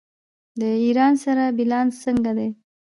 د ایران سره بیلانس څنګه دی؟